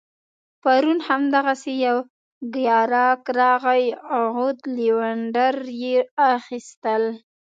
پرون هم دغسي یو ګیراک راغی عود لوینډر يې اخيستل